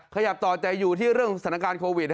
ขยับต่อใจอยู่ที่เรื่องศาลาการโควิด